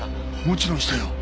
もちろんしたよ。